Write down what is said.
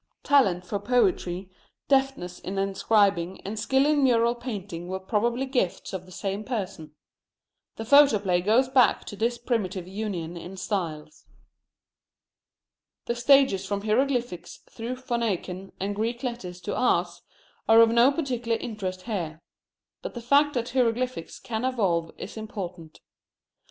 Talent for poetry, deftness in inscribing, and skill in mural painting were probably gifts of the same person. The photoplay goes back to this primitive union in styles. The stages from hieroglyphics through Phoenician and Greek letters to ours, are of no particular interest here. But the fact that hieroglyphics can evolve is important.